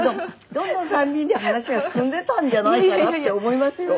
どんどん３人で話が進んでたんじゃないかなって思いますよ。